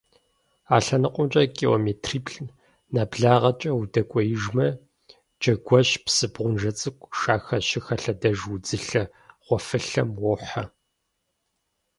А лъэныкъуэмкӀэ километриплӀ нэблагъэкӀэ удэкӀуеижмэ, Джэгуэщ псы бгъунж цӀыкӀур Шахэ щыхэлъэдэж удзылъэ гъуэфылъэм уохьэ.